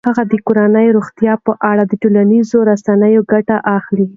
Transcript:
هغه د کورنۍ د روغتیا په اړه د ټولنیزو رسنیو ګټه اخلي.